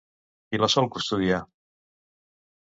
Qui la sol custodiar?